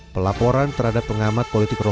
pelaporan terhadap pengamat politik